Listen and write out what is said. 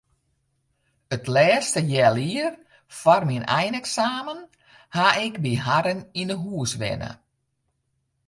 It lêste healjier foar myn eineksamen haw ik by harren yn 'e hûs wenne.